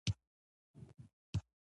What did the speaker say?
څنګه مې له یوه کاره فکر بل کار ته واوښتل.